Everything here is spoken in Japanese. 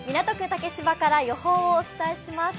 竹芝から予報をお伝えします。